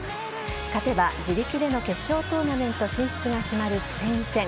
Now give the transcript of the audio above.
勝てば自力での決勝トーナメント進出が決まる、スペイン戦。